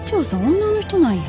女の人なんや。